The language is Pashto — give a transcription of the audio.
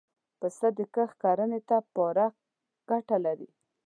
پسه د کښت کرنې له پاره ګټه لري.